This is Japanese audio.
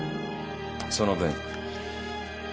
その分。